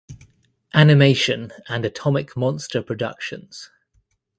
Animation and Atomic Monster Productions.